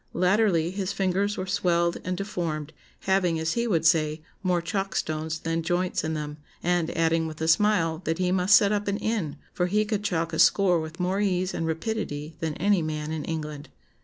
Latterly his fingers were swelled and deformed, having, as he would say, more chalk stones than joints in them, and adding with a smile, that he must set up an inn, for he could chalk a score with more ease and rapidity than any man in England....